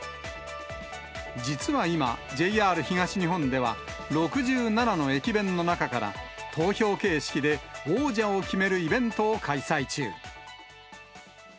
実は今、ＪＲ東日本では、６７の駅弁の中から、投票形式で王者を決めるイベントを開催中。